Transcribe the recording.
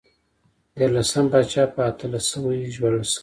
دیارلسم پاچا په اتلس سوی ژباړل کېږي.